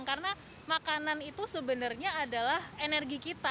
karena makanan itu sebenarnya adalah energi kita